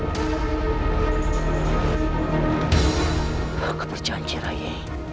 aku berjanji rai